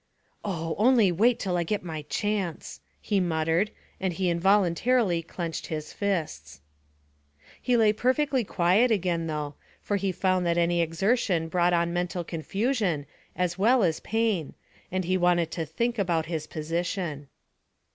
"Oh, only wait till I get my chance!" he muttered, and he involuntarily clenched his fists. He lay perfectly quiet again though, for he found that any exertion brought on mental confusion as well as pain, and he wanted to think about his position.